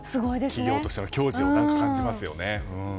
企業としての矜持を感じますよね。